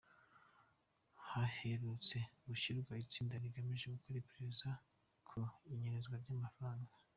Haherutse gushyirwaho itsinda rigamije gukora iperereza ku inyerezwa ry’amafaranga.